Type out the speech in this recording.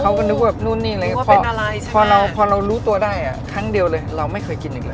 เขาก็นึกว่านู่นนี่อะไรพอเราพอเรารู้ตัวได้อ่ะครั้งเดียวเลยเราไม่เคยกินอีกเลย